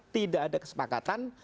tidak ada kesepakatan